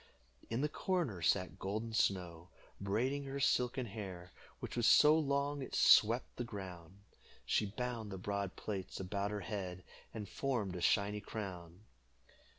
In the corner sat Golden Snow, braiding her silken hair, which was so long it swept the ground. She bound the broad plaits about her head, and formed a shiny crown.